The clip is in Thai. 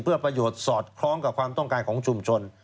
เพื่อประโยชน์สอดคล้องกับความต้องการของชุมชน